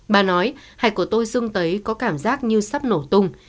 bà nói hạch của tôi dưng thấy có cảm giác như sắp nổ tung